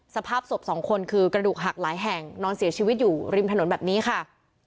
สภาพศพสองคนคือกระดูกหักหลายแห่งนอนเสียชีวิตอยู่ริมถนนแบบนี้ค่ะ